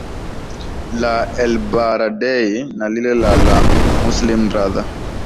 la elbaradei na lile la la la muslim brother